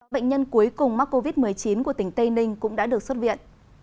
bệnh nhân cuối cùng mắc covid một mươi chín của tỉnh tây ninh cũng đã được xuất viện